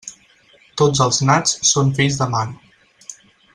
Tots els nats són fills de mare.